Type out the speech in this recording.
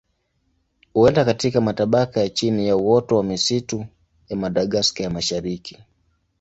Huenda katika matabaka ya chini ya uoto wa misitu ya Madagaska ya Mashariki.